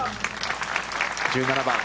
１７番。